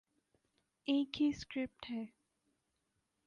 ایک ہی سکرپٹ ہے۔